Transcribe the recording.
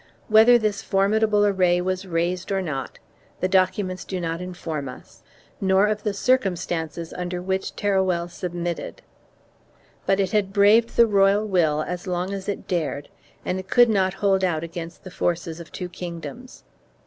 Whether this formidable array was raised or not, the documents do not inform us, nor of the circumstances under which Teruel submitted, but it had braved the royal will as long as it dared and it could not hold out against the forces of two kingdoms.